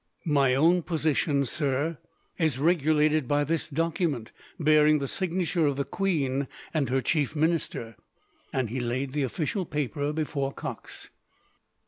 "My own position, sir, is regulated by this document, bearing the signature of the queen and her chief minister;" and he laid the official paper before Cox.